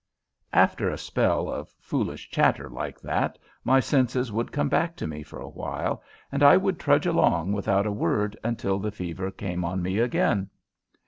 After a spell of foolish chatter like that my senses would come back to me for a while and I would trudge along without a word until the fever came on me again.